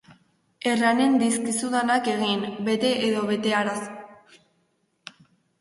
Erranen dizkizudanak egin, bete edo betearazi.